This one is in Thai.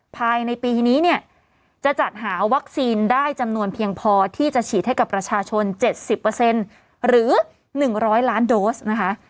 ปลอดภัยในปีนี้เนี่ยจะจัดหาวัคซีนได้จำนวนเพียงพอที่จะฉีดให้กับประชาชนเจ็ดสิบเปอร์เซ็นต์หรือหนึ่งร้อยล้านโดสนะคะ